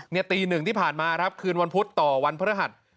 ตีหนึ่งที่ผ่านมาครับคืนวันพุธต่อวันพระหัส